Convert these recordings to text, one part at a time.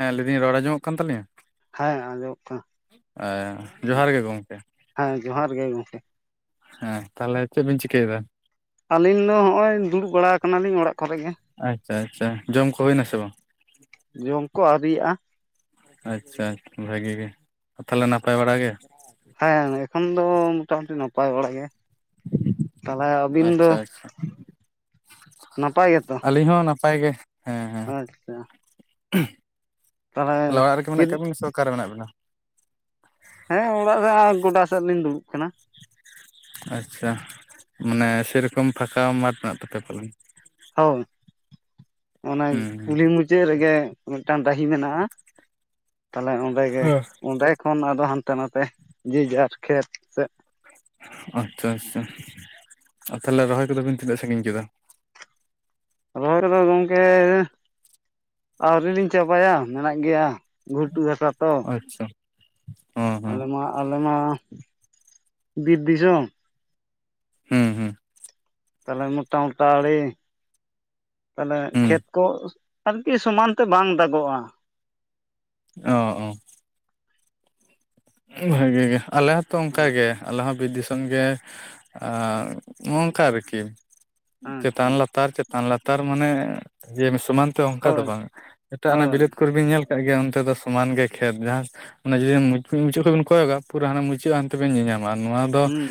ᱦᱮᱸ ᱞᱟᱹᱭᱫᱟᱹᱧ ᱨᱚᱲ ᱟᱸᱡᱚᱢᱚᱜ ᱠᱟᱱ ᱛᱟᱞᱤᱧᱟ? ᱦᱮᱸ ᱟᱸᱡᱚᱢᱚᱜ ᱠᱟᱱᱟ ᱮ ᱡᱚᱦᱟᱨ ᱜᱮ ᱜᱚᱝᱠᱮ᱾ ᱦᱮᱸ ᱡᱚᱦᱟᱨ ᱜᱮ ᱜᱚᱝᱠᱮ᱾ ᱦᱮᱸ ᱛᱟᱦᱞᱮ ᱪᱮᱜ ᱵᱤᱱ ᱪᱤᱠᱟᱹᱭᱫᱟ? ᱟᱹᱞᱤᱧ ᱫᱚ ᱦᱚᱸᱜᱼᱚᱭ ᱫᱩᱲᱩᱵ ᱵᱟᱲᱟᱣ ᱠᱟᱱᱟᱞᱤᱧ ᱚᱲᱟᱜ ᱠᱚᱨᱮ ᱜᱮ᱾ ᱟᱪᱪᱷᱟ ᱟᱪᱪᱷᱟ ᱡᱚᱢ ᱠᱚ ᱦᱩᱭᱮᱱᱟ ᱥᱮ ᱵᱟᱝ? ᱡᱚᱢ ᱠᱚ ᱟᱹᱣᱨᱤᱭᱟᱜᱼᱟ᱾ ᱟᱪᱪᱷᱟ ᱵᱷᱟᱜᱤ ᱜᱮ ᱟᱨ ᱛᱟᱦᱞᱮ ᱱᱟᱯᱟᱭ ᱵᱟᱲᱟ ᱜᱮ? ᱦᱮᱸ ᱮᱠᱷᱚᱱ ᱫᱚ ᱢᱚᱴᱟᱟᱢᱩᱴᱤ ᱱᱟᱯᱟᱭ ᱵᱟᱲᱟᱜ ᱜᱮ᱾ ᱛᱟᱦᱞᱮ ᱟᱹᱵᱤᱱ ᱫᱚ ᱟᱪᱪᱷᱟ ᱟᱪᱪᱷᱟ ᱱᱟᱯᱟᱭ ᱜᱮᱛᱚ? ᱯᱟᱭ ᱜᱮ᱾ ᱦᱮᱸ ᱦᱮᱸ ᱟᱪᱪᱷᱟ᱾ ᱛᱟᱦᱚᱞᱮ ᱪᱮᱫ [unintelligible] ᱥᱮ ᱚᱠᱟᱨᱮ ᱢᱮᱱᱟᱜ ᱵᱤᱱᱟ? ᱦᱮᱸ ᱚᱲᱟᱜ ᱨᱮ ᱜᱚᱰᱟ ᱥᱮᱜ ᱞᱤᱧ ᱫᱩᱲᱩᱵ ᱠᱟᱱᱟ᱾ ᱟᱪᱪᱷᱟ ᱢᱟᱱᱮ ᱥᱮᱨᱚᱠᱚᱢ ᱯᱷᱟᱠᱟ ᱢᱟᱴᱷ ᱢᱮᱱᱟᱜ ᱛᱟᱯᱮᱭᱟ [inaudible] ᱦᱳᱭ ᱚᱱᱮ ᱦᱩᱸ ᱠᱩᱞᱦᱤ ᱢᱩᱪᱟᱹᱜ ᱨᱮᱜᱮ ᱢᱤᱫᱴᱟᱝ ᱰᱟᱹᱦᱤ ᱢᱮᱱᱟᱜᱼᱟ, ᱛᱟᱦᱞᱮ ᱚᱸᱰᱮ ᱜᱮ ᱦᱩᱸ ᱚᱸᱰᱮ ᱠᱷᱚᱱ ᱟᱫᱚ ᱦᱟᱱᱛᱮ ᱱᱟᱛᱮ ᱡᱮ ᱡᱟᱨ ᱠᱷᱮᱛ ᱥᱮᱜ ᱟᱪᱪᱷᱟ ᱟᱪᱪᱷᱟ ᱟ ᱛᱟᱦᱞᱮ ᱨᱚᱦᱚᱭ ᱠᱚᱫᱚ ᱵᱮᱱ ᱛᱤᱱᱟᱹᱜ ᱥᱟᱺᱜᱤᱧ ᱠᱮᱫᱟ? ᱨᱚᱦᱚᱭ ᱠᱚᱫᱚ ᱜᱚᱝᱠᱮ ᱟᱹᱣᱨᱨᱤ ᱞᱤᱧ ᱪᱟᱵᱟᱭᱟ ᱢᱮᱱᱟᱜ ᱜᱮᱭᱟ᱾ ᱜᱷᱩᱴᱩ ᱦᱟᱥᱟ ᱛᱚ᱾ ᱟᱪᱪᱷᱟ ᱚᱸ ᱟᱞᱮ ᱢᱟ ᱟᱞᱮᱢᱟ ᱵᱤᱨ ᱫᱤᱥᱚᱢ᱾ ᱦᱩᱸ ᱦᱩᱸ ᱛᱟᱦᱞᱮ ᱢᱚᱴᱟ ᱢᱚᱴᱟ ᱟᱲᱮ ᱛᱟᱦᱞᱮ ᱦᱩᱸ ᱠᱷᱮᱛ ᱠᱚ ᱟᱨᱠᱤ ᱥᱚᱢᱟᱱ ᱛᱮ ᱵᱟᱝ ᱫᱟᱜᱚᱜᱼᱟ᱾ ᱚ ᱚ ᱵᱷᱟᱜᱤ ᱜᱮ ᱟᱞᱮ ᱦᱚᱸᱛᱚ ᱚᱝᱠᱟᱜᱮ ᱟᱞᱮ ᱦᱚᱸ ᱵᱤᱨ ᱫᱤᱥ [inaudible] ᱜᱮ ᱱᱚᱝᱠᱟ ᱟᱨᱠᱤ ᱟᱪᱪᱷᱟ ᱪᱮᱛᱟᱱ ᱞᱟᱛᱟᱨ ᱪᱮᱛ ᱛᱟᱱ ᱞᱟᱛᱟᱨ ᱢᱟᱱᱮ ᱡᱮ ᱥᱚᱢᱟᱱ ᱛᱮ ᱚᱝᱠᱟ ᱫᱚ ᱦᱳᱭ ᱵᱟᱝ ᱡᱮᱴᱟ ᱚᱱᱮ ᱦᱳᱭ ᱵᱤᱞᱟᱹᱛ ᱠᱚᱨᱮ ᱵᱤᱧ ᱧᱮᱞ ᱠᱟᱜ ᱜᱮᱭᱟ ᱚᱱᱛᱮ ᱫᱚ ᱥᱚᱢᱟᱱ ᱜᱮᱭᱟ ᱠᱷᱮᱛ ᱡᱟᱦᱟᱸ ᱚᱱᱮ ᱡᱮ ᱢᱩ ᱢᱤᱜ ᱢᱩᱪᱟᱹᱜ ᱠᱷᱚᱡ ᱵᱤᱱ ᱠᱚᱭᱚᱜᱟ ᱯᱩᱨᱟᱹ ᱦᱟᱱᱟ ᱢᱩᱪᱟᱹᱜ ᱦᱟᱱᱛᱮ ᱵᱮᱱ ᱧᱮᱟᱢᱟ ᱱᱚᱣᱟ ᱫᱚ ᱦᱩᱸ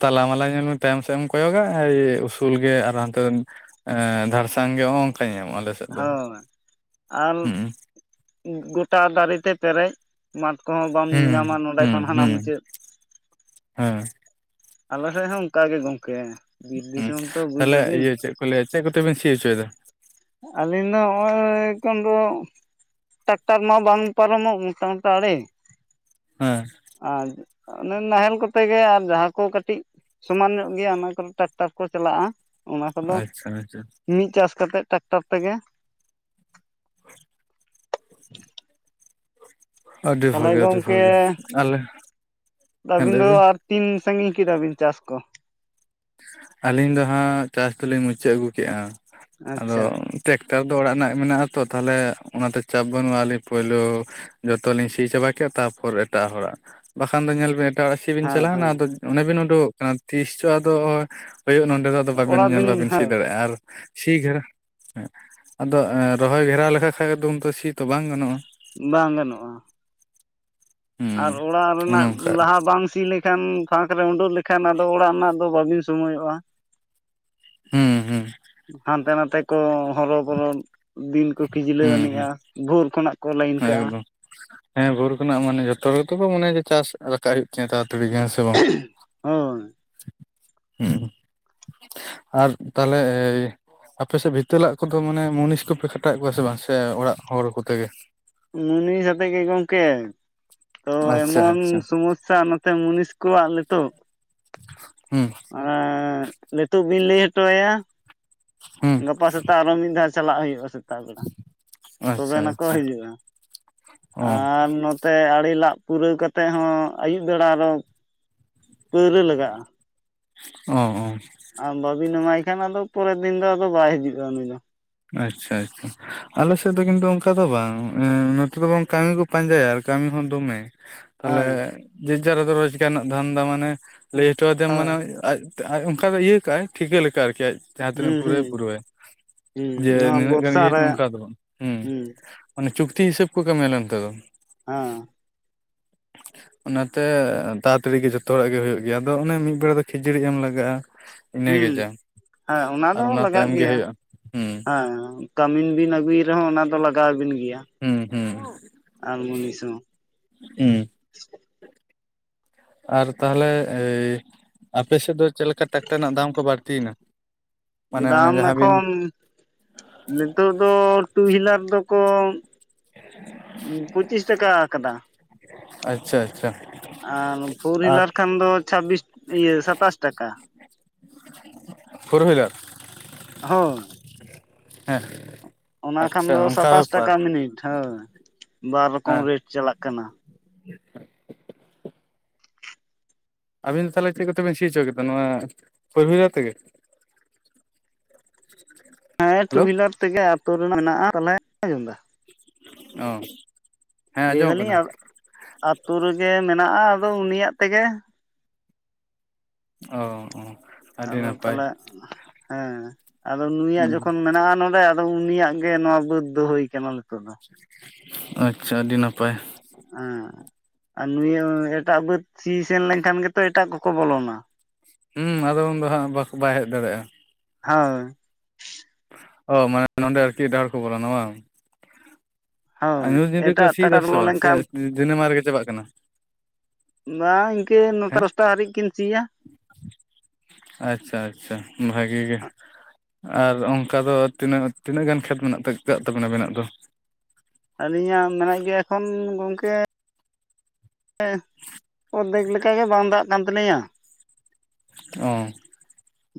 ᱛᱟᱞᱟ ᱢᱟᱞᱟ ᱧᱮᱞ ᱢᱮ ᱛᱟᱭᱚᱢ ᱥᱮᱜ ᱮᱢ ᱠᱚᱭᱚᱜᱟ [inaudible] ᱩᱥᱩᱞ ᱜᱮ ᱟᱨ ᱦᱟᱱᱛᱮ ᱮᱸ ᱫᱷᱟᱨᱥᱟᱝ ᱜᱮ ᱚᱸ ᱚᱝᱠᱟ ᱧᱮᱧᱟᱢᱚᱜᱼᱟ ᱟᱞᱮ ᱥᱮ ᱦᱳᱭ ᱟᱨ ᱜᱚᱴᱟ ᱫᱟᱨᱮᱛᱮ ᱯᱮᱨᱮᱡ ᱢᱟᱴᱷ ᱠᱚᱦᱚᱸ ᱵᱟᱢ ᱦᱩᱸ ᱧᱮᱧᱟᱢᱟ ᱱᱚᱲᱸᱰᱮ ᱦᱩᱸ ᱠᱷᱚᱱ ᱦᱟᱱᱟ ᱦᱩᱸ ᱢᱩᱪᱟᱹᱫ᱾ ᱦᱮᱸ, ᱟᱞᱮ ᱥᱮᱜ ᱦᱚᱸ ᱚᱝᱠᱟ ᱜᱮ ᱜᱚᱝᱠᱮ ᱾ ᱦᱩᱸ ᱛᱟᱞᱦᱮ ᱤᱭᱟᱹ ᱪᱮᱜ ᱠᱚ ᱞᱟᱹᱭᱟ ᱪᱮᱜ ᱠᱚᱛᱮ ᱵᱮᱱ ᱥᱤ ᱦᱚᱪᱚᱭᱮᱫᱟ? ᱟᱹᱞᱤᱧ ᱫᱚ ᱦᱚᱜᱼᱚᱭ ᱮᱠᱷᱚᱱ ᱫᱚ ᱾ ᱴᱟᱠᱴᱟᱨ ᱢᱟ ᱵᱟᱝ ᱯᱟᱨᱚᱢᱚᱜ ᱢᱚᱴᱟ ᱢᱚᱴᱟ ᱟᱲᱮ ᱾ ᱦᱮᱸ ᱟᱡ, ᱚᱱᱮ ᱱᱟᱦᱮᱞ ᱠᱚᱛᱮ ᱜᱮ ᱟᱨ ᱡᱟᱦᱟᱸ ᱠᱚ ᱠᱟᱹᱴᱤᱡ ᱥᱚᱢᱟᱱ ᱧᱚᱜ ᱜᱮᱭᱟ ᱚᱱᱟ ᱠᱚᱨᱮ ᱴᱨᱟᱠᱴᱟᱨ ᱠᱚ ᱪᱟᱞᱟᱜᱼᱟ ᱾ ᱚᱱᱟ ᱠᱚᱫᱚ ᱟᱪᱪᱷᱟ ᱟᱪᱪᱷᱟ ᱢᱤᱫ ᱪᱟᱥ ᱠᱟᱛᱮᱜ ᱴᱨᱟᱠᱴᱟᱨ ᱛᱮᱜᱮ ᱾ ᱟᱹᱰᱤ ᱛᱟᱞᱮ ᱵᱷᱟᱜᱮ ᱟᱹᱰᱤ ᱜᱚᱝᱠᱮ ᱵᱷᱟᱜᱮ ᱟᱞᱮ ᱦᱮᱸ ᱟᱹᱵᱤᱱ ᱞᱟᱹᱭ ᱫᱚ ᱵᱤᱱ ᱟᱨ ᱛᱤᱱ ᱥᱟᱺᱜᱤᱧ ᱠᱮᱫᱟᱵᱤᱱ ᱪᱟᱥ ᱠᱚ? ᱟᱹᱞᱤᱧ ᱫᱚ ᱦᱟᱸᱜ ᱪᱟᱥ ᱫᱚᱞᱤᱧ ᱢᱩᱪᱟᱹᱫ ᱟᱹᱜᱩ ᱠᱮᱜᱼᱟ ᱟᱫᱚ ᱟᱪᱪᱷᱟ ᱴᱮᱠᱴᱟᱨ ᱫᱚ ᱚᱲᱟᱜ ᱨᱮᱱᱟᱜ ᱢᱮᱱᱟᱜᱼᱟ ᱟᱛᱚ ᱛᱟᱞᱦᱮ ᱚᱱᱟᱛᱮ ᱪᱟᱯ ᱵᱟᱹᱱᱩᱜᱼᱟ ᱟᱹᱞᱤᱧ ᱯᱳᱭᱞᱳ ᱾ ᱡᱚᱛᱚ ᱞᱤᱧ ᱥᱤ ᱪᱟᱵᱟᱠᱮᱜ-ᱟ ᱛᱟᱨᱯᱚᱨ ᱮᱴᱟᱜ ᱦᱚᱲᱟᱜ ᱵᱟᱠᱷᱟᱱ ᱫᱚ ᱧᱮᱞᱵᱤᱱ ᱮᱴᱟᱜ ᱦᱚᱲᱟᱜ ᱥᱤᱵᱤᱱ ᱦᱮᱸ ᱪᱟᱞᱟᱣᱱᱟ ᱦᱮᱸ ᱟᱫᱚ ᱚᱱᱮ ᱵᱤᱱ ᱩᱰᱳᱠᱚᱜ ᱠᱟᱱᱟ ᱛᱤᱥ ᱪᱚ ᱟᱫᱚ ᱦᱳᱭᱳᱜ ᱱᱚᱰᱮ ᱫᱚ ᱾ ᱵᱟᱵᱤᱱ ᱚᱲᱟᱜ ᱧᱮᱞ ᱵᱤᱱ ᱵᱟᱵᱤᱱ ᱥᱤ ᱦᱮᱸ ᱫᱟᱲᱮᱭᱟᱜᱼᱟ ᱟᱨ ᱾ ᱥᱤ ᱜᱷᱮᱨᱟ ᱟᱫᱚ ᱨᱚᱦᱚᱭ ᱜᱷᱮᱨᱟᱣ ᱞᱮᱠᱷᱟ ᱠᱷᱟᱱ ᱫᱚ ᱱᱤᱛᱚ ᱥᱤ ᱛᱚ ᱵᱟᱝ ᱜᱟᱱᱚᱜᱼᱟ ᱾ ᱵᱟᱝ ᱜᱟᱱᱚᱜᱼᱟ ᱾ ᱦᱩᱸ ᱟᱨ ᱚᱲᱟᱜ ᱚᱱᱮ ᱨᱮᱱᱟᱜ ᱚᱱᱠᱟ ᱞᱟᱦᱟ ᱵᱟᱝ ᱥᱤ ᱞᱮ ᱠᱷᱟᱱ ᱯᱷᱟᱸᱠ ᱨᱮ ᱩᱰᱳᱹᱜ ᱞᱮᱠᱷᱟᱱ ᱟᱫᱚ ᱚᱲᱟᱜ ᱨᱮᱱᱟᱜ ᱫᱚ ᱵᱟᱹᱵᱤᱱ ᱥᱚᱢᱚᱭᱚᱜᱼᱟ ᱾ ᱦᱩᱸ ᱦᱩᱸ ᱾ ᱦᱟᱱᱛᱮ ᱱᱟᱛᱮ ᱠᱚ ᱦᱚᱨᱚ ᱵᱚᱨᱚ ᱫᱤᱱ ᱠᱚ ᱠᱷᱤᱡᱞᱟᱹ ᱦᱩᱸ ᱦᱩᱸ ᱟᱹᱱᱤᱡᱼᱟ ᱵᱷᱳᱨ ᱠᱷᱚᱱᱟᱜ ᱠᱚ ᱞᱟᱭᱤᱱ ᱠᱟᱜᱼᱟ ᱾ ᱮᱠᱫᱚᱢ ᱦᱮᱸ ᱵᱷᱳᱨ ᱠᱷᱚᱱᱟᱜ ᱢᱟᱱᱮ ᱡᱚᱛᱚ ᱜᱮᱛᱚ ᱠᱚ ᱢᱚᱱᱮᱭᱟ ᱪᱟᱥ ᱨᱟᱠᱟᱜ ᱦᱩᱭᱩᱜ ᱛᱤᱧᱟᱹ ᱛᱟᱲᱟᱛᱟᱲᱤ ᱜᱮ ᱦᱮᱸ ᱥᱮ ᱵᱟᱝ ᱦᱳᱭ ᱦᱩᱸᱜᱼᱦᱩᱸ ᱾ ᱟᱨ ᱛᱟᱞᱦᱮ ᱟᱯᱮᱥᱮᱫ ᱵᱷᱤᱛᱟᱹ ᱞᱟᱜ ᱠᱚᱫᱚ ᱢᱟᱱᱮ ᱢᱩᱱᱤᱥ ᱠᱚᱯᱮ ᱠᱷᱟᱴᱟᱣᱮᱫ ᱠᱚᱣᱟ ᱥᱮ ᱵᱟᱝ ᱥᱮ ᱚᱲᱟᱜ ᱦᱚᱲ ᱠᱚᱛᱮᱜᱮ? ᱢᱩ ᱥᱟᱛᱮ ᱜᱮ ᱜᱚᱝᱠᱮ ᱛᱚ ᱟᱪᱪᱷᱟ ᱮᱢᱚᱱ ᱟᱪᱪᱷᱟ ᱥᱚᱢᱚᱥᱥᱟ ᱱᱚᱛᱮ ᱢᱩᱱᱤᱥ ᱠᱚᱣᱟᱜ ᱱᱤᱛᱟᱹᱜ ᱾ ᱦᱩᱸ, [inaudible] ᱱᱤᱛᱚᱜ ᱵᱤᱱ ᱞᱟᱹᱭ ᱦᱚᱴᱚ ᱟᱭᱟ ᱦᱩᱸ, ᱜᱟᱯᱟ ᱥᱮᱛᱟᱜ ᱟᱨᱚ ᱢᱤᱫ ᱫᱷᱟ ᱪᱟᱞᱟᱜ ᱦᱩᱭᱩᱜᱼᱟ ᱥᱮ ᱛᱟᱜ ᱵᱮᱲᱟ ᱛᱚᱵᱮ ᱟᱪᱪᱷᱟ ᱱᱟᱠᱚ ᱟᱪᱪᱷᱟ ᱦᱤᱡᱩᱜᱼᱟ ᱚ ᱟᱨ ᱱᱚᱛ ᱛᱮ ᱟᱲᱮ ᱞᱟᱜ ᱯᱩᱨᱟᱹᱣ ᱠᱟᱛᱮᱫ ᱦᱚᱸ ᱟᱹᱭᱩᱵ ᱵᱮᱲᱟ ᱟᱨᱚ ᱯᱟᱹᱣᱨᱟᱹ ᱞᱟᱜᱟᱜᱼᱟ ᱾ ᱚ ᱚ, ᱟ ᱵᱟᱵᱤᱱ ᱮᱢᱟᱭ ᱠᱷᱟᱱ ᱟᱫᱚ ᱯᱚᱨᱮᱨ ᱫᱤᱱ ᱫᱚ ᱟᱫᱚ ᱵᱟᱭ ᱦᱤᱡᱩᱜᱼᱟᱭ ᱩᱱᱤ ᱫᱚ ᱾ ᱟᱪᱪᱷᱟ ᱟᱪᱪᱷᱟ ᱟᱞᱮᱥᱮᱫ ᱫᱚ ᱠᱤᱱᱛᱩ ᱚᱱᱠᱟ ᱫᱚ ᱵᱟᱝ ᱚᱱᱮ ᱱᱚᱛᱮ ᱫᱚ ᱵᱟᱝ ᱠᱟᱹᱢᱤ ᱠᱚ ᱯᱟᱸᱡᱟᱭ ᱟᱨ ᱠᱟᱹᱢᱤ ᱦᱚᱸ ᱫᱚᱢᱮ ᱾ ᱛᱟᱞᱮ ᱦᱮᱸ ᱡᱮᱨ ᱡᱟᱨ ᱟᱫᱚ ᱨᱳᱡᱽᱜᱟᱨ ᱨᱮᱱᱟᱜ ᱫᱷᱟᱱ ᱫᱟ ᱢᱟᱱᱮ ᱞᱟᱹᱭ ᱦᱚᱴᱚ ᱟᱫᱮᱭᱟᱢ ᱦᱳᱭ ᱢᱟᱱᱮ ᱟᱡ ᱟᱡ ᱚᱱᱠᱟ ᱫᱚ ᱤᱭᱟᱹ ᱠᱟᱜᱟᱭ ᱴᱷᱤᱠᱟᱹ ᱞᱮᱠᱟ ᱟᱨᱠᱤ ᱟᱡ ᱡᱟᱦᱟᱸᱛᱤᱱᱟᱹᱜ ᱦᱩᱸ ᱯᱩᱨᱟᱹᱣ ᱦᱩᱸ ᱯᱩᱨᱟ. ᱣᱟᱭ ᱾ ᱦᱩᱸ ᱡᱮ ᱱᱚᱣᱟ ᱱᱤᱱᱟᱹᱜ ᱜᱟᱱ ᱵᱚᱨᱥᱟ ᱤᱭᱟᱹ ᱨᱮ ᱠᱟᱱᱟ ᱚᱱᱠᱟ ᱫᱚ ᱵᱟᱝ ᱦᱩᱸ ᱢᱟᱱᱮ ᱪᱩᱠᱛᱤ ᱦᱤᱥᱟᱹᱵ ᱠᱚ ᱠᱟᱹᱢᱤᱭᱟ ᱟᱞᱮ ᱱᱚᱱᱛᱮ ᱫᱚ ᱾ ᱦᱟᱸ, [inaudible] ᱚᱱᱟᱛᱮ ᱛᱟᱛᱟ. ᱲᱤ ᱜᱮ ᱡᱚᱛᱚ ᱦᱚᱲᱟᱜ ᱜᱮ ᱦᱩᱭᱩᱜ ᱜᱮᱭᱟ ᱟᱫᱚ ᱚᱱᱮ ᱢᱤᱫ ᱵᱮᱲᱟ ᱫᱚ ᱠᱷᱟ. ᱡᱟ. ᱲᱤ ᱮᱢ ᱞᱟᱜᱟᱜᱼᱟ ᱾ ᱦᱩᱸ, ᱦᱮᱸ ᱚᱱᱟ ᱫᱚ ᱞᱟᱜᱟᱜ ᱛᱟᱭᱚᱢ ᱜᱮ ᱜᱮᱭᱟ᱾ ᱦᱩᱭᱩᱜᱼᱟ ᱦᱩᱸ ᱦᱟᱸ, ᱠᱟᱹᱢᱤᱱ ᱵᱤᱱ ᱟᱹᱜᱩᱭ ᱨᱮᱦᱚᱸ ᱚᱱᱟ ᱫᱚ ᱞᱟᱜᱟᱣ ᱵᱤᱱ ᱜᱮᱭᱟ᱾ ᱦᱩᱸ ᱦᱩᱸ ᱟᱞᱢ ᱩᱱᱤ ᱥᱟᱶ ᱦᱩᱸ ᱟᱨ ᱛᱟᱦᱞᱮ ᱮᱭ ᱤ ᱟᱯᱮ ᱥᱮᱫ ᱫᱚ ᱪᱮᱜ ᱞᱮᱠᱟ ᱴᱮᱠᱴᱟᱨ ᱨᱮᱱᱟᱜ ᱫᱟᱢ ᱠᱚ ᱵᱟᱹᱲᱛᱤᱭᱮᱱᱟ? ᱢᱟᱱᱮ ᱚᱱᱮ ᱫᱟᱢ ᱡᱟᱦᱟᱸ ᱵᱤᱱ ᱮᱠᱷᱚᱱ ᱱᱤᱛᱚᱜ ᱫᱚ ᱠᱚ ᱴᱩ ᱦᱩᱭᱞᱟᱨ ᱫᱚᱠᱚ ᱯᱩᱸᱪᱤᱥ ᱴᱟᱠᱟ ᱠᱟᱫᱟ᱾ ᱟᱪᱪᱷᱟ ᱟᱪᱪᱷᱟ, ᱟᱨ ᱯᱷᱩᱨ ᱟᱨ ᱦᱩᱭᱞᱟᱨ ᱠᱷᱟᱱ ᱫᱚ ᱪᱷᱟᱵᱵᱤᱥ ᱤᱭᱟᱹ ᱥᱟᱛᱟᱥ ᱴᱟᱠᱟ᱾ ᱯᱷᱳᱨ ᱦᱩᱭᱞᱟᱨ, ᱦᱳᱭ, ᱦᱮᱸ, ᱚᱱᱟ ᱠᱷᱟᱱ ᱟᱪᱪᱷᱟ ᱫᱚ ᱚᱱᱠᱟ ᱥᱟᱛᱟᱥ ᱵᱮᱯᱟᱨ ᱴᱟᱠᱟ ᱢᱤᱱᱤᱴ᱾ ᱦᱚᱭ ᱵᱟᱨ ᱨᱚᱠᱚᱢ ᱦᱮᱸ ᱨᱮᱴ ᱪᱟᱞᱟᱜ ᱠᱟᱱᱟ᱾ ᱟᱵᱤᱱ ᱫᱚ ᱛᱟᱦᱚᱞᱮ ᱪᱮᱜ ᱠᱚᱛᱮ ᱵᱤᱱ ᱥᱤ ᱦᱚᱪᱚ ᱠᱮᱫᱟ ᱱᱚᱣᱟ ᱯᱷᱳᱨ ᱦᱩᱭᱞᱟᱨ ᱛᱮᱜᱮ? ᱦᱮᱸ ᱴᱩ ᱦᱮᱞᱳ ᱦᱩᱭᱞᱟᱨ ᱛᱮᱜᱮ ᱟᱛᱳ ᱨᱮᱱᱟᱜ ᱢᱮᱱᱟᱜᱼᱟ᱾ ᱛᱟᱦᱚᱞᱮᱟᱸᱡᱚᱢᱫᱟ ᱚ, ᱦᱮᱸ ᱞᱟᱹᱭ ᱟᱸᱡᱚᱢᱚᱜ ᱫᱟᱞᱤᱧ ᱠᱟᱱᱟ ᱟᱜ ᱟᱛᱳ ᱨᱮᱜᱮ ᱢᱮᱱᱟᱜᱼᱟ, ᱟᱫᱚ ᱩᱱᱤᱭᱟᱜ ᱛᱮᱜᱮ᱾ ᱚ, ᱟᱹᱰᱤ ᱟᱫᱚ ᱱᱟᱯᱟᱭ ᱛᱟᱦᱚᱞᱮ, ᱦᱮᱸ ᱟᱫᱚ ᱱᱩᱭᱟᱜ ᱦᱩᱸ ᱡᱚᱠᱷᱚᱱ ᱢᱮᱱᱟᱜᱼᱟ ᱱᱚᱰᱮ ᱟᱫᱚ ᱩᱱᱤᱭᱟᱜ ᱜᱮ ᱱᱚᱣᱟ ᱵᱟᱹᱫᱽ ᱫᱚ ᱦᱩᱭ ᱠᱟᱱᱟ ᱱᱤᱛᱚᱜ ᱫᱚ᱾ ᱟᱪᱪᱷᱟ ᱟᱹᱰᱤ ᱱᱟᱯᱟᱭ, ᱦᱮᱸ [inaudible] ᱟᱨ ᱱᱩᱭᱟᱹ ᱮᱴᱟᱜ ᱵᱟᱹᱫ ᱥᱤ ᱥᱮᱱ ᱞᱮᱱᱠᱷᱟᱱ ᱜᱮᱛᱚ ᱮᱴᱟᱜ ᱠᱚᱠᱚ ᱵᱚᱞᱚᱱᱟ? ᱦᱸ ᱟᱫᱚ ᱩᱱᱫᱚ ᱦᱟᱸᱜ ᱵᱟᱠᱷ ᱵᱟᱭ ᱦᱮᱡ ᱫᱟᱲᱮᱭᱟᱜᱼᱟ᱾ ᱦᱳᱭ, ᱚ ᱢᱟᱱᱮ ᱱᱚᱸᱰᱮ ᱟᱨᱠᱤ ᱮᱴᱟᱜ ᱦᱚᱲ ᱠᱚ ᱵᱚᱞᱚᱱᱟ ᱵᱟᱝ᱾ ᱟᱨ ᱦᱳᱭ ᱧᱩᱛ ᱧᱤᱫᱟᱹ ᱠᱚ ᱮᱴᱟᱜ ᱥᱤᱭ ᱮᱫᱟ ᱴᱟᱠᱟ ᱵᱚᱞᱚ ᱥᱮ ᱵᱟᱝ, ᱥᱮ ᱞᱮᱱᱠᱷᱟᱱ ᱫᱤᱱᱮᱢᱟ ᱨᱮᱜᱮ ᱪᱟᱵᱟᱜ ᱠᱟᱱᱟ? ᱵᱟᱝ ᱤᱝᱠᱟᱹ ᱱᱚᱴᱟ ᱦᱮᱸ ᱫᱚᱥᱴᱟ ᱦᱟᱹᱨᱤᱡ ᱠᱤᱱ ᱥᱤᱭᱟ᱾ ᱟᱪᱪᱷᱟ ᱟᱪᱪᱷᱟ ᱵᱷᱟᱹᱜᱤ ᱜᱮ᱾ ᱟᱨ ᱚᱱᱠᱟ ᱫᱚ ᱛᱤᱱᱟᱹᱜ ᱛᱤᱱᱟᱹᱜ ᱜᱟᱱ ᱠᱷᱮᱛ ᱢᱮᱱᱟᱜ [unintelligible] ᱠᱟᱜ ᱛᱟᱵᱤᱱᱟ ᱟᱵᱮᱱᱟᱜ ᱫᱚ? ᱟᱹᱞᱤᱧᱟᱜ ᱢᱮᱱᱟᱜ ᱜᱮᱭᱟ ᱮᱠᱷᱚᱱ ᱜᱚᱝᱠᱮ ᱮᱜ ᱚᱨᱫᱷᱮᱠ ᱞᱮᱠᱟ ᱜᱮ ᱵᱟᱝ ᱫᱟᱜ ᱠᱟᱱ ᱛᱟᱹᱟᱞᱤᱧᱟ᱾ ᱚ,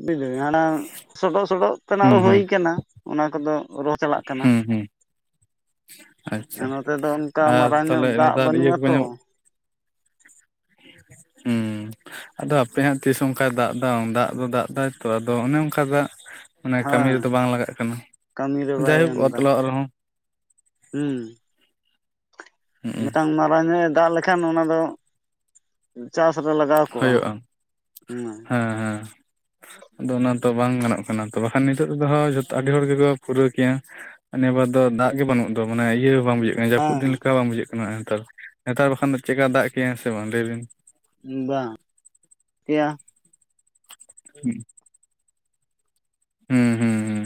ᱵᱤᱫ [unintelligible] ᱥᱚᱰᱚᱜ ᱥᱚᱰᱚᱜ ᱛᱮᱱᱟᱜ ᱦᱩᱸ ᱫᱚ ᱦᱩᱭ ᱦᱩᱸ ᱠᱟᱱᱟ ᱚᱱᱟ ᱠᱚᱫᱚ ᱨᱚ ᱪᱟᱞᱟᱜ ᱠᱟᱱᱟ᱾ ᱦᱩᱸ ᱟᱪᱪᱷᱟ, ᱟᱨ ᱱᱚᱛᱮ ᱫᱚ ᱚᱱᱠᱟ ᱟᱨ ᱢᱟᱨᱟᱝ ᱛᱟᱦᱞᱮ ᱧᱚᱜ ᱫᱟᱜ ᱱᱮᱛᱟᱨ ᱤᱭᱟᱹ ᱵᱟᱹᱱᱩᱜᱼᱟ ᱠᱚᱠᱚ ᱛᱚ ᱧᱟᱢᱚᱜ ᱦᱩᱸ, ᱟᱫᱚ ᱦᱟᱯᱮ ᱦᱟᱸᱜ ᱛᱤᱥ ᱚᱱᱠᱟᱭ ᱫᱟᱜ ᱮᱫᱟ ᱫᱟᱜ ᱫᱚᱭ ᱫᱟᱜ ᱮᱫᱟ ᱛᱚ ᱟᱫᱚ ᱚᱱᱮ ᱚᱱᱠᱟ ᱫᱟᱜ᱾ ᱢᱟᱱᱮ ᱠᱟᱹᱢᱤ ᱦᱮᱸ ᱨᱮᱫᱚ ᱵᱟᱝ ᱞᱟᱜᱟᱜ ᱠᱟᱱᱟ᱾ ᱠᱟᱹᱢᱤ ᱨᱮ ᱵᱟᱭ ᱡᱟᱭᱦᱳᱠ ᱮᱢᱫᱟ᱾ ᱛᱚᱞᱟᱜ ᱨᱮᱦᱚᱸ ᱦᱩᱸ, ᱦᱩᱸ ᱢᱤᱫᱴᱟᱝ ᱢᱟᱨᱟᱝ ᱧᱚᱜ ᱮ ᱫᱟᱜ ᱞᱮᱠᱷᱟᱱ ᱚᱱᱟ ᱫᱚ ᱪᱟᱥ ᱨᱮ ᱞᱟᱜᱟᱣ ᱠᱚᱜᱼᱟ᱾ ᱦᱩᱭᱩᱜᱼᱟ᱾ ᱦᱮᱸ ᱦᱮᱸ ᱦᱮᱸ, ᱟᱫᱚ ᱚᱱᱟ ᱛᱚ ᱵᱟᱝ ᱜᱟᱱᱚᱜ ᱠᱟᱱᱟ ᱛᱚ ᱵᱟᱠᱷᱟᱱ ᱱᱤᱛᱚᱜ ᱛᱮᱫᱚ ᱦᱳᱭᱡᱷᱚᱛᱚ ᱦᱚᱸ ᱟᱹᱰᱤ ᱦᱚᱲ ᱜᱮᱠᱚ ᱯᱩᱨᱟᱹᱣ ᱠᱮᱭᱟ᱾ ᱱᱤᱭᱟᱹᱵᱟᱨ ᱫᱚ ᱫᱟᱜ ᱜᱮ ᱵᱟᱹᱱᱩᱜ ᱫᱚ ᱢᱟᱱᱮ ᱤᱭᱟᱹ ᱦᱚᱸ ᱵᱟᱝ ᱵᱟᱡᱟᱹᱜ᱾ ᱡᱟᱹᱯᱩᱫ ᱫᱤᱱ ᱞᱮᱠᱟ ᱦᱮᱸ ᱦᱚᱸ ᱵᱟᱝ ᱵᱩᱡᱷᱟᱹᱜ ᱡᱟᱹᱯᱩᱫ ᱫᱤᱱ ᱞᱮᱠᱟ ᱠᱟᱱᱟ ᱦᱮᱸᱜ-ᱮ ᱦᱮᱜ ᱱᱮᱛᱟᱨ᱾ ᱱᱮᱛᱟᱨ ᱵᱟᱠᱷᱟᱱ ᱫᱚ ᱪᱮᱫᱠᱟ ᱫᱟᱜ ᱠᱮᱜᱭᱼᱟ ᱥᱮ ᱵᱟᱝ ᱞᱟᱹᱭᱵᱤᱱ? ᱵᱟᱝ [unintelligible] ᱦᱩᱸ᱾ ᱦᱩᱸ, ᱦᱩᱸ ᱦᱩᱸ,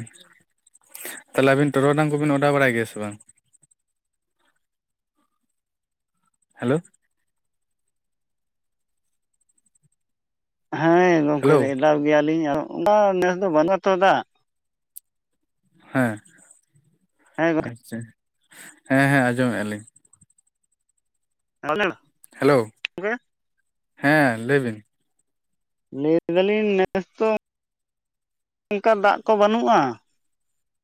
ᱛᱟᱦᱞᱮ ᱟᱵᱤᱱ ᱴᱚᱨᱚᱜᱰᱟᱝ ᱠᱚᱵᱤᱱ ᱚᱰᱟᱣ ᱵᱟᱲᱟᱭ ᱜᱮᱭᱟ ᱥᱮ ᱵᱟᱝ? ᱦᱮᱞᱳ᱾ ᱦᱮᱸ ᱜᱚᱝᱠᱮ ᱦᱮᱞᱳ ᱮᱰᱟᱣ ᱜᱮᱭᱟ ᱞᱤᱧ ᱚᱱᱟ ᱱᱮᱥ ᱫᱚ ᱵᱟᱹᱱᱩᱜᱼᱟ ᱛᱚ ᱫᱟᱜ᱾ ᱦᱮᱸ ᱦᱮᱸ ᱜᱚᱝᱠᱮ ᱟᱪᱪᱷᱟ ᱦᱮᱸ, ᱦᱮᱸ ᱟᱸᱡᱚᱢᱮᱫᱼᱟ ᱞᱤᱧᱺ [unintelligible] ᱦᱮᱞᱳ, ᱦᱮᱸ ᱞᱟᱹᱭ ᱵᱤᱱ᱾ ᱞᱟᱹᱭ ᱮᱫᱟ ᱞᱤᱧ ᱱᱮᱥ ᱫᱚ ᱚᱱᱠᱟ ᱫᱟᱜ ᱠᱚ ᱵᱟᱹᱱᱩᱜᱼᱟ᱾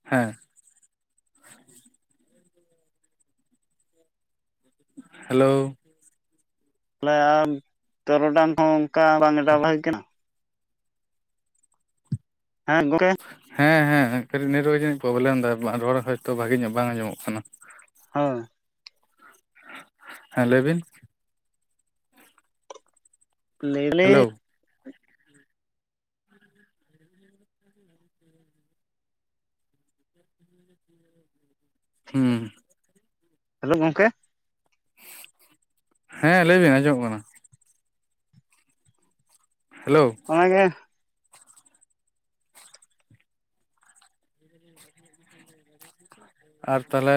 ᱦᱮᱸ᱾ ᱦᱮᱞᱳ᱾ [unintelligible] ᱛᱚᱨᱚᱰᱟᱝ ᱦᱚᱸ ᱚᱱᱠᱟ ᱵᱟᱝ ᱮᱰᱟᱣ [unintelligible] ᱠᱟᱱᱟ᱾ [unintelligible] ᱦᱮᱸ ᱦᱮᱸ ᱠᱟᱹᱴᱤᱡ ᱱᱮᱴᱳᱣᱟᱨᱠ ᱡᱟᱹᱱᱤᱡ ᱯᱨᱚᱵᱞᱮᱢ ᱫᱟᱭ ᱨᱚᱲ ᱦᱚᱭᱛᱳ ᱵᱷᱟᱜᱮ ᱧᱚᱜ ᱵᱟᱝ ᱟᱸᱡᱚᱢᱚᱜ ᱠᱟᱱᱟᱜ᱾ ᱦᱮᱸ᱾ ᱦᱮᱸ ᱞᱟᱹᱭ ᱵᱤᱱ᱾ ᱦᱮᱞᱳ ᱞᱟᱹᱭ [unintelligible] [inaudible] ᱦᱩᱸ᱾ ᱦᱮᱞᱳ ᱜᱚᱝᱠᱮ᱾ ᱦᱮᱸ ᱞᱟᱹᱭ ᱵᱤᱱ ᱟᱸᱡᱚᱢᱚᱜ ᱠᱟᱱᱟ᱾ ᱦᱮᱞᱳ᱾ ᱚᱱᱟᱜᱮ [inaudible] ᱟᱨ ᱛᱟᱦᱚᱞᱮ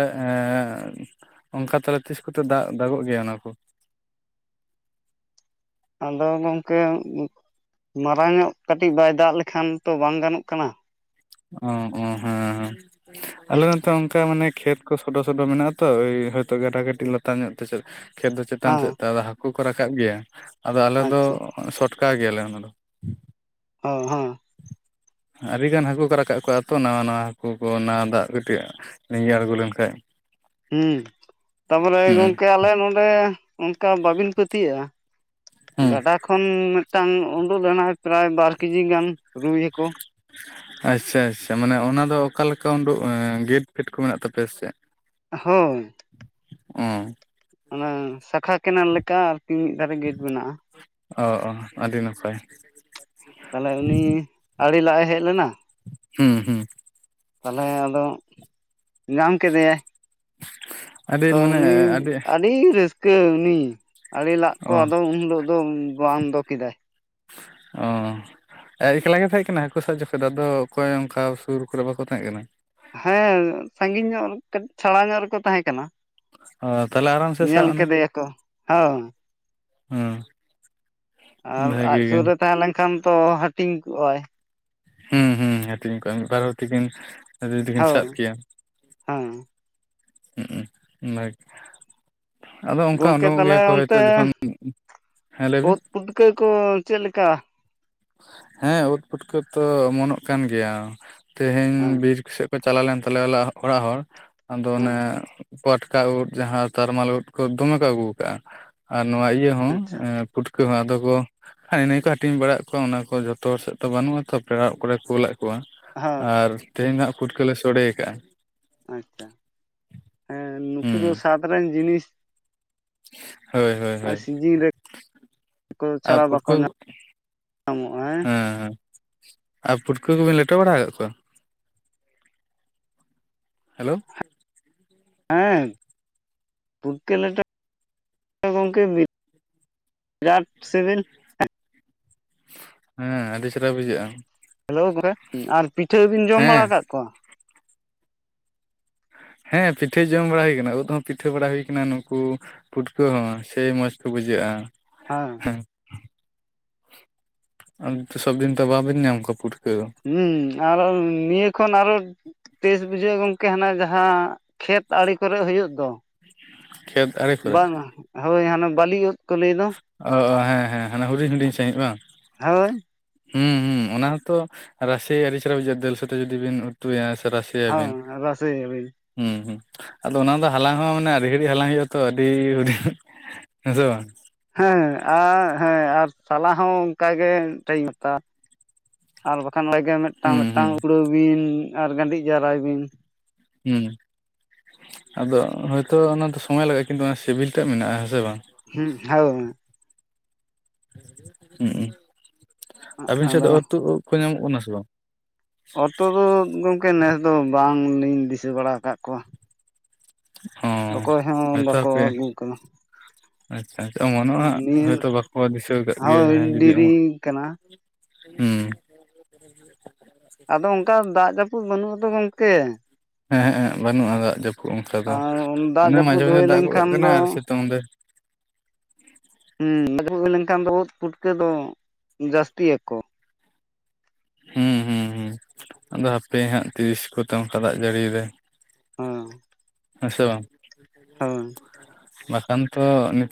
ᱚᱱᱠᱟ ᱛᱟᱦᱚᱞᱮ ᱛᱤᱥ ᱠᱚᱛᱮ ᱫᱟᱜ- ᱫᱟᱜᱚᱜ ᱜᱮᱭᱟ ᱚᱱᱟ ᱠᱚ? ᱟᱫᱚ ᱜᱚᱝᱠᱮ ᱢᱟᱨᱟᱝ ᱧᱚᱜ ᱠᱟᱹᱴᱤᱡ ᱵᱟᱭ ᱫᱟᱜ ᱞᱮᱠᱷᱟᱱ ᱛᱚ ᱵᱟᱝ ᱜᱟᱱᱚᱜ ᱠᱟᱱᱟ᱾ ᱚ, ᱚ, ᱦᱮᱸ, ᱦᱮᱸ ᱟᱞᱮ ᱱᱚᱛᱮ ᱚᱱᱠᱟ ᱢᱟᱱᱮ ᱠᱷᱮᱛ ᱥᱚᱰᱚ ᱥᱚᱰᱚ ᱢᱮᱱᱟᱜ-ᱟ ᱛᱚ ᱦᱚᱭᱛᱚ ᱜᱟᱰᱟ ᱠᱟᱹᱴᱤᱡ ᱞᱟᱛᱟᱨ ᱧᱚᱜ ᱛᱮ ᱠᱷᱮᱛ ᱫᱚ ᱪᱮᱛᱟᱱ ᱦᱮᱸ ᱥᱮᱫ ᱛᱮ ᱦᱟᱠᱩ ᱠᱚ ᱨᱟᱠᱟᱵ ᱜᱮᱭᱟ ᱟᱫᱚ ᱟᱞᱮ ᱫᱚ ᱟᱪᱪᱷᱟ ᱥᱚᱴᱠᱟ ᱜᱮᱭᱟ ᱞᱮ ᱚᱱᱟ ᱫᱚ᱾ [unintelligible] ᱦᱚᱸ᱾ ᱟᱹᱰᱤ ᱜᱟᱱ ᱦᱟᱹᱠᱩ ᱠᱚ ᱨᱟᱠᱟᱵ ᱠᱚᱜ-ᱟ ᱛᱚ, ᱱᱟᱣᱟ ᱱᱟᱣᱟ ᱦᱟᱹᱠᱩ ᱠᱚ ᱱᱟᱣᱟ ᱫᱟᱜ ᱠᱟᱹᱴᱤᱡ ᱞᱤᱸᱜᱤ ᱟᱬᱜᱚ ᱞᱮᱱᱠᱷᱟᱡ᱾ ᱦᱩᱸ ᱛᱟᱯᱚᱨᱮ ᱦᱩᱸ ᱜᱚᱢᱠᱮ ᱟᱞᱮ ᱱᱚᱰᱮ ᱚᱱᱠᱟ ᱵᱟᱵᱤᱱ ᱯᱟᱹᱛᱭᱟᱹᱜᱼᱟ᱾ ᱦᱩᱸ ᱜᱟᱰᱟ ᱠᱷᱚᱱ ᱢᱤᱫᱴᱟᱝ ᱩᱰᱩᱠ ᱞᱮᱱᱟᱭ ᱯᱨᱟᱭ ᱵᱟᱨ ᱠᱮᱡᱤ ᱜᱟᱱ ᱨᱩᱭ ᱦᱟᱠᱳ᱾ [inaudible] ᱟᱪᱪᱷᱟ- ᱟᱪᱪᱷᱟ ᱢᱟᱱᱮ ᱚᱱᱟ ᱫᱚ ᱚᱠᱟ ᱞᱮᱠᱟ ᱩᱰᱩᱜ ᱮᱸ ᱜᱮᱴ ᱯᱷᱮᱰ ᱠᱚ ᱢᱮᱱᱟᱜ ᱛᱟᱯᱮᱭᱟ ᱥᱮ ᱪᱮᱫ? ᱦᱚᱸ᱾ ᱚᱸ᱾ ᱚᱱᱟ ᱥᱟᱠᱷᱟ ᱠᱮᱱᱮᱞ ᱞᱮᱠᱟ ᱟᱨᱠᱤ ᱢᱤᱫ ᱫᱷᱟᱨᱮ ᱜᱮᱴ ᱢᱮᱱᱟᱜᱼᱟ᱾ ᱚ- ᱚ, ᱟᱹᱰᱤ ᱱᱟᱯᱟᱭ᱾ ᱛᱟᱦᱚᱞᱮ ᱩᱱᱤ ᱟᱲᱮ ᱞᱟᱜ ᱮ ᱦᱮᱡ ᱞᱮᱱᱟ᱾ ᱦᱩᱸ, ᱦᱩᱸ᱾ ᱛᱟᱦᱚᱞᱮ ᱟᱫᱚ ᱧᱟᱢ ᱠᱮᱫᱮᱭᱟᱭ᱾ ᱟᱹᱰᱤ ᱛᱚ ᱢᱟᱱᱮ ᱩᱱᱤ ᱟᱹᱰᱤ ᱨᱟᱹᱥ ᱠᱟᱹ ᱩᱱᱤ ᱟᱲᱮ ᱞᱟᱜ ᱠᱚ ᱚ ᱟᱫᱚ ᱩᱱ ᱦᱤᱞᱳᱜ ᱫᱚ ᱵᱚᱱᱫᱚ ᱠᱮᱫᱟᱭ᱾ ᱚᱻ᱾ ᱟᱡ ᱮᱠᱞᱟ ᱜᱮ ᱛᱟᱦᱮᱸ ᱠᱟᱱᱟᱭ ᱦᱟᱹᱠᱩ ᱥᱟᱵ ᱡᱚᱠᱷᱮᱡ ᱫᱚ ᱟᱫᱚ ᱚᱠᱚᱭ ᱚᱝᱠᱟ ᱥᱩᱨ ᱠᱚᱨᱮ ᱵᱟᱠᱚ ᱛᱟᱦᱮᱸ ᱠᱟᱱᱟ᱾ ᱦᱮᱸ ᱥᱟᱺᱜᱤᱧ ᱧᱚᱜ ᱠᱟᱹᱴ ᱪᱷᱟᱲᱟ ᱧᱚᱜ ᱨᱮᱠᱚ ᱛᱟᱦᱮᱸ ᱠᱟᱱᱟ᱾ ᱚ ᱛᱟᱦᱚᱞᱮ ᱟᱨᱟᱢ ᱥᱮ ᱧᱮᱞ ᱥᱟᱵ ᱠᱮᱫᱮᱭᱟᱠᱚ ᱦᱚ᱾ ᱦᱩᱸ ᱟᱨ ᱟᱡ ᱥᱩᱨ ᱨᱮ ᱛᱟᱦᱮᱸ ᱞᱮᱱᱠᱷᱟᱱ ᱛᱚ ᱦᱟᱹᱴᱤᱧ ᱠᱚᱜᱼᱟᱭ᱾ ᱦᱩᱸ ᱦᱩᱸ ᱦᱟᱹᱴᱤᱧ ᱠᱚᱜᱼᱟᱭ ᱢᱤᱜ ᱵᱟᱨ ᱦᱚᱲ ᱛᱤᱠᱤᱱ ᱡᱩᱫᱤ ᱠᱤᱱ ᱥᱟᱵ ᱦᱳᱭ ᱠᱮᱭᱟ ᱦᱮᱸ ᱦᱩᱸ ᱩ [inaudible] ᱟᱫᱚ ᱚᱝᱠᱟ ᱜᱚᱝᱠᱮ ᱩᱰᱩᱠᱚᱜ ᱜᱮᱭᱟ ᱛᱟᱦᱚᱞᱮ ᱠᱚ ᱦᱳᱭᱛᱳ ᱚᱱᱛᱮ ᱡᱚᱠᱷᱚᱱ ᱦᱮᱸ ᱞᱟᱹᱭ ᱵᱤᱱ᱾ ᱳᱫ ᱯᱩᱴᱠᱟᱹ ᱠᱚ ᱪᱮᱜ ᱞᱮᱠᱟ? ᱦᱮᱸ ᱩᱫᱽ ᱯᱩᱴᱠᱟᱹ ᱛᱚ ᱚᱢᱚᱱᱚᱜ ᱠᱟᱱ ᱜᱮᱭᱟ ᱛᱮᱦᱮᱧ ᱦᱮᱸ ᱵᱤᱨ ᱥᱮᱜ ᱠᱚ ᱪᱟᱞᱟᱣ ᱞᱮᱱ ᱛᱟᱞᱮᱭᱟ ᱚᱞᱟᱜ ᱚᱲᱟᱜ ᱦᱚᱲ ᱟᱫᱚ ᱦᱮᱸ ᱚᱱᱮ ᱯᱟᱴᱠᱟ ᱩᱫᱽ ᱡᱟᱦᱟᱸ ᱛᱟᱨᱢᱟᱞ ᱩᱫᱽ ᱠᱚ ᱫᱚᱢᱮ ᱠᱚ ᱟᱹᱜᱩᱣ ᱠᱟᱜᱼᱟ ᱟᱨ ᱱᱚᱣᱟ ᱤᱭᱟᱹ ᱦᱚᱸ ᱟᱪᱪᱷᱟ ᱯᱩᱴᱠᱟᱹ ᱦᱚᱸ ᱟᱫᱚ ᱠᱚ ᱦᱮᱸ ᱤᱱᱟᱹ ᱜᱮᱠᱚ ᱦᱟᱹᱴᱤᱧ ᱵᱟᱲᱟᱜ ᱠᱚ ᱚᱱᱟ ᱠᱚ ᱡᱚᱛᱚ ᱦᱚᱲ ᱥᱮᱫ ᱛᱚ ᱵᱟᱹᱱᱩᱜᱼᱟ ᱛᱚ ᱯᱮᱲᱟᱜ ᱠᱚᱨᱮ ᱠᱩᱞᱟᱜ ᱠᱚᱣᱟ ᱦᱮᱸ ᱟᱨ ᱛᱮᱦᱮᱧ ᱦᱟᱸᱜ ᱯᱩᱴᱠᱟᱹᱞᱮ ᱥᱚᱲᱮᱭ ᱠᱟᱜᱼᱟ᱾ ᱟᱪᱪᱷᱟ ᱦᱮᱸ ᱱᱩᱠᱩ ᱦᱩᱸ ᱫᱚ ᱥᱟᱫᱽ ᱨᱮᱱ ᱡᱤᱱᱤᱥ ᱦᱳᱭ ᱦᱳᱭ ᱦᱳᱭ᱾ ᱥᱤᱡᱤᱱ ᱨᱮ ᱠᱚ ᱟ ᱪᱷᱟᱲᱟ ᱵᱟᱠᱚ ᱯᱩᱴᱠᱟᱹ ᱧᱟᱢ ᱧᱟᱢᱚᱜᱼᱟ ᱦᱮᱸ ᱦᱮᱸ᱾ ᱟ ᱯᱷᱩᱴᱠᱟᱹ ᱠᱚᱵᱮᱱ ᱞᱮᱴᱚ ᱵᱟᱲᱟᱣ ᱠᱟᱜ ᱠᱚᱣᱟ? ᱦᱮᱞᱳ᱾ ᱦᱮᱸ ᱯᱩᱛᱠᱟᱹ ᱞᱮᱴᱚ ᱜᱚᱝᱠᱮ ᱵᱤᱜ ᱨᱟᱴ ᱥᱤᱵᱤᱞ᱾ ᱦᱮᱸ ᱟᱹᱰᱤ ᱪᱮᱨᱦᱟ ᱵᱩᱡᱷᱟᱹᱜᱼᱟ᱾ ᱦᱮᱞᱳ ᱜᱚᱨᱮ ᱟᱨ ᱯᱤᱴᱷᱟᱹ ᱵᱤᱱ ᱡᱚᱢ ᱦᱮᱸ ᱵᱟᱲᱟᱣ ᱠᱟᱜ ᱠᱚᱣᱟ? ᱦᱮᱸ ᱯᱤᱴᱷᱟᱹ ᱡᱚᱢ ᱵᱟᱲᱟᱭ ᱦᱩᱭ ᱠᱟᱱᱟ, ᱩᱫᱽ ᱦᱚᱸ ᱯᱤᱴᱷᱟᱹ ᱵᱟᱲᱟ ᱦᱩᱭ ᱠᱟᱱᱟ ᱱᱩᱝᱠᱩ ᱯᱩᱴᱠᱟᱹ ᱦᱚᱸ ᱥᱮᱭ ᱢᱚᱡᱽ ᱠᱚ ᱵᱩᱡᱷᱟᱹᱜᱼᱟ᱾ ᱦᱟᱸ ᱦᱮᱸ ᱟᱸ ᱥᱚᱵᱽᱫᱤᱱ ᱛᱚ ᱵᱟᱵᱤᱱ ᱧᱟᱢ ᱠᱚᱣᱟ ᱯᱩᱴᱠᱟᱹ ᱫᱚ᱾ ᱦᱩᱸ ᱟᱨᱚ ᱱᱤᱭᱟᱹ ᱠᱷᱚᱱ ᱟᱨᱚ ᱴᱮᱥ ᱵᱩᱡᱷᱟᱹᱜᱼᱟ ᱜᱚᱝᱠᱮ ᱦᱟᱱᱟ ᱡᱟᱦᱟᱸ ᱠᱷᱮᱛ ᱟᱲᱮ ᱠᱚᱨᱮ ᱦᱩᱭᱩᱜ ᱫᱚ᱾ ᱠᱷᱮᱛ ᱟᱲᱮ ᱠᱚᱨᱮ ᱵᱟᱝᱟ ᱦᱳᱭ ᱦᱟᱱᱮ ᱵᱟᱞᱤ ᱩᱫᱽ ᱚ ᱚ ᱦᱮᱸ ᱦᱮᱸ ᱦᱮᱸ ᱦᱟᱱᱮ ᱦᱩᱰᱤᱧ ᱦᱩᱰᱤᱧ ᱥᱟᱹᱦᱤᱡᱽ ᱵᱟᱝ? ᱦᱳᱭ ᱦᱩᱸ ᱦᱩᱸ ᱚᱱᱟ ᱦᱚᱸᱛᱚ ᱨᱟᱥᱮ ᱟᱹᱰᱤ ᱟᱹᱨᱤᱪᱮᱨᱦᱟ ᱵᱩᱡᱷᱟᱹᱜᱼᱟ, ᱫᱟᱹᱞ ᱥᱟᱛᱮ ᱡᱩᱫᱤ ᱵᱤᱱ ᱩᱛᱩᱭᱟ ᱥᱮ ᱨᱟᱥ ᱦᱚᱸ ᱨᱥᱮᱭᱟᱵᱤᱱ᱾ ᱦᱩᱸ ᱦᱩᱸ ᱟᱫᱚ ᱚᱱᱟ ᱫᱚ ᱦᱟᱞᱟᱝ ᱦᱚᱸ ᱢᱟᱱᱮ ᱟᱹᱰᱤ ᱜᱷᱟᱹᱲᱤᱡ ᱦᱟᱞᱟᱝ ᱦᱩᱭᱩᱜᱼᱟ ᱛᱚ ᱟᱹᱰᱤ ᱦᱩᱰᱤ ᱦᱮᱸ ᱥᱮ ᱵᱟᱝ? ᱦᱮᱸ ᱟ ᱦᱮᱸ ᱟᱨ ᱥᱟᱞᱟ ᱦᱚᱸ ᱚᱝᱠᱟᱜᱮ ᱴᱟᱭᱤᱢ ᱦᱟᱛᱟᱣᱟ ᱟᱨ ᱵᱟᱠᱷᱟᱱ ᱞᱮᱜᱮ ᱢᱤᱫᱴᱟᱝ ᱦᱩᱸ ᱦᱩᱸ ᱢᱤᱫᱴᱟᱝ ᱠᱩᱲᱟᱹᱣ ᱵᱤᱱ ᱟᱨ ᱜᱟᱹᱰᱤᱡ ᱡᱟᱣᱨᱟᱭ ᱵᱤᱱ᱾ ᱦᱩᱸ ᱟᱫᱚ ᱦᱳᱭᱛᱳ ᱚᱱᱟ ᱫᱚ ᱥᱚᱢᱚᱭ ᱞᱟᱜᱟᱜᱼᱟ ᱠᱤᱱᱛᱩ ᱚᱱᱟ ᱥᱤᱵᱤᱞ ᱴᱟᱜ ᱢᱮᱱᱟᱜᱼᱟ ᱦᱮᱸᱥᱮ ᱵᱟᱝ? ᱦᱩᱸ ᱦᱟᱣ ᱦᱩᱸᱜ ᱩᱸ ᱟᱹᱵᱤᱱ ᱥᱮᱫᱜ ᱟᱫᱚ ᱫᱚ ᱚᱨ ᱛᱩᱫ ᱩᱫᱽ ᱠᱚ ᱧᱟᱢᱚᱜ ᱠᱟᱱᱟ ᱥᱮ ᱵᱟᱝ? ᱚᱛᱚ ᱫᱚ ᱜᱚᱝᱠᱮ ᱱᱮᱥ ᱫᱚ ᱵᱟᱝᱞᱤᱧ ᱫᱤᱥᱟᱹ ᱵᱟᱲᱟ ᱠᱟᱜ ᱠᱚᱣᱟ ᱾ ᱦᱚᱸ ᱚᱠᱚᱭ ᱦᱚᱸ ᱦᱚᱭᱛᱚ ᱵᱟᱠᱚ ᱦᱟᱯᱮ ᱟᱹᱜᱩ ᱠᱟᱫᱟ ᱾ [inaudible] ᱟᱪᱪᱷᱟ ᱟᱪᱪᱷᱟ ᱚᱢᱚᱱᱚᱜᱼᱟ ᱱᱤᱭᱟᱹ ᱦᱳᱭᱛᱳ ᱵᱟᱠᱚ ᱫᱤᱥᱟᱹᱣ ᱠᱟᱫ ᱜᱮᱭᱟ ᱦᱳᱭ ᱡᱟᱦᱟᱸᱭ ᱡᱩᱫᱤ ᱰᱮᱨᱤ ᱟᱢᱟᱜᱼᱼ ᱠᱟᱱᱟ ᱦᱩᱸ, ᱟᱫᱚ ᱚᱝᱠᱟ ᱫᱟᱜ ᱡᱟᱹᱯᱩᱫ ᱵᱟᱹᱱᱩᱜ ᱟᱛᱚ ᱜᱚᱝᱠᱮ ᱾ ᱦᱮᱸ ᱦᱮᱸ ᱵᱟᱹᱱᱩᱜᱼᱟ ᱫᱟᱜ ᱡᱟᱹᱯᱩᱫ ᱚᱝᱠᱟ ᱫᱚ ᱟᱨ ᱫᱟᱜ ᱚᱱᱮ ᱢᱟᱡᱷᱮ ᱡᱟᱹᱯᱩᱫ ᱢᱟᱡᱷᱮ ᱦᱩᱭ ᱫᱟᱜ ᱜᱚᱫ ᱞᱮᱱᱠᱷᱟᱱ ᱠᱟᱜ ᱫᱚ ᱠᱟᱱᱟᱭ ᱟᱨ ᱥᱤᱛᱩᱝ ᱫᱟᱭ [inaudible] ᱦᱩᱸ ᱡᱟᱹᱯᱤᱫ ᱞᱮᱱᱠᱷᱟᱱ ᱫᱚ ᱩᱫᱽ ᱯᱩᱴᱠᱟᱹ ᱫᱚ ᱡᱟᱹᱥᱛᱤ ᱟᱠᱚ ᱾ ᱦᱩᱸ ᱦᱩᱸ ᱦᱩᱸ ᱟᱫᱚ ᱦᱟᱯᱮ ᱦᱟᱸᱜ ᱛᱤᱥ ᱠᱚᱛᱮ ᱚᱝᱠᱟ ᱫᱟᱜ ᱡᱟᱹᱲᱤᱭ ᱫᱟᱭ ᱾ ᱦᱚᱸ ᱦᱮᱸᱥᱮ ᱵᱟᱝ ᱵᱟᱠᱷᱟᱱ ᱛᱚ ᱱᱤᱛᱼᱼ